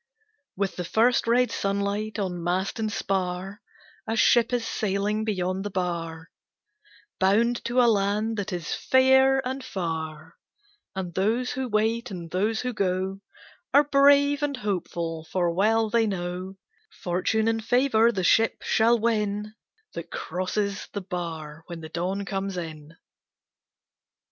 With the first red sunlight on mast and spar A ship is sailing beyond the bar, Bound to a land that is fair and far; And those who wait and those who go Are brave and hopeful, for well they know Fortune and favor the ship shall win That crosses the bar when the dawn comes in.